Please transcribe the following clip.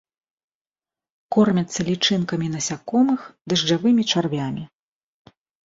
Кормяцца лічынкамі насякомых, дажджавымі чарвямі.